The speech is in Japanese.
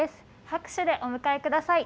拍手でお迎えください。